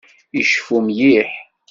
Iceffu mliḥ.